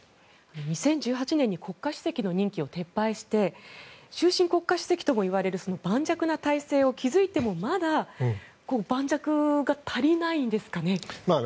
２０１８年に国家主席の任期を撤廃して終身国家席ともいわれる盤石な体制を築いてもまだ盤石が足りないんですかね。